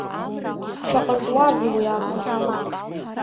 Шаҟа ҵуазеи уи аахыс.